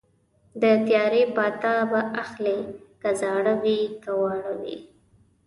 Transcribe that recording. د تیارې پاتا به اخلي که زاړه وي که واړه وي